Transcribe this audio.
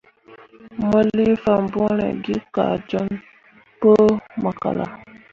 Mo lii fambõore gi kah joɲ pu makala.